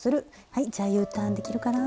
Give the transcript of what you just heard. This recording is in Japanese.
はいじゃあＵターンできるかな。